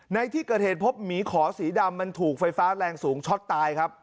ในที่เกิดเหตุพบหมีขอสีดำมันถูกไฟฟ้าแรงสูงช็อตตายครับ